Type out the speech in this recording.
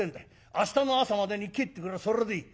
明日の朝までに帰ってくりゃそれでいい」。